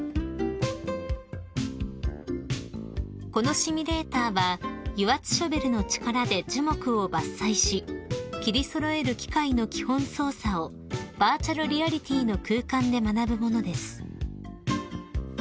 ［このシミュレーターは油圧ショベルの力で樹木を伐採し切り揃える機械の基本操作をバーチャルリアリティーの空間で学ぶものです］